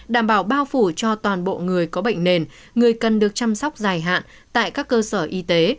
đảm bảo bao phủ cho toàn bộ người có bệnh nền người cần được chăm sóc dài hạn tại các cơ sở y tế